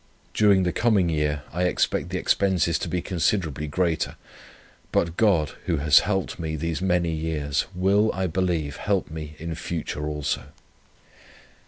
During the coming year I expect the expenses to be considerably greater. But God, who has helped me these many years, will, I believe, help me in future also.